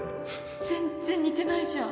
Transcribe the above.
全然似てないじゃん